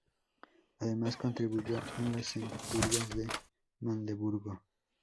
Además contribuyó en las "Centurias de Magdeburgo".